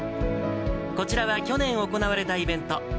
こちらは去年行われたイベント。